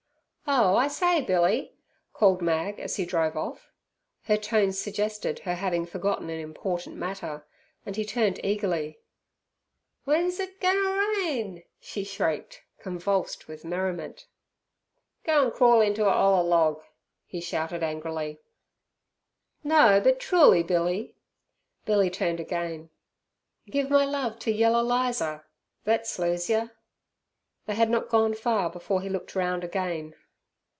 "Oh, I say, Billy!" called Mag as he drove off. Her tones suggested her having forgotten an important matter, and he turned eagerly. "W'en's it goin' ter rain?" she shrieked, convulsed with merriment. "Go an' crawl inter a 'oller log!" he shouted angrily. "No, but truly, Billy." Billy turned again. "Give my love to yaller Lizer; thet slues yer!" They had not gone far before he looked round again.